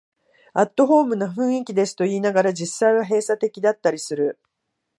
アットホームな雰囲気ですと言いながら、実際は閉鎖的だったりする